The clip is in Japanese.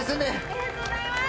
ありがとうございます。